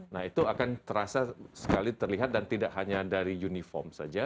nah itu akan terasa sekali terlihat dan tidak hanya dari uniform saja